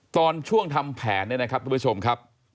ตอนช่วงทำแผนเนี่ยนะครับทุกผู้ชมครับ